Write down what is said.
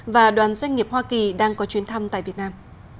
và đoàn doanh nghiệp hoa kỳ đang có chuyến thăm tại việt nam